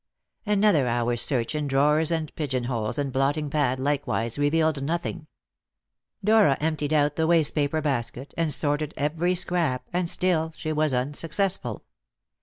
Another hour's search in drawers and pigeonholes and blotting pad likewise revealed nothing. Dora emptied out the wastepaper basket, and sorted every scrap, and still she was unsuccessful.